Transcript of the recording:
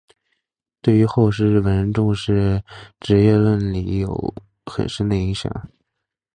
对于后世日本人重视职业伦理有很深的影响。